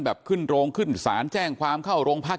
ขึ้นโรงขึ้นศาลแจ้งความเข้าโรงพัก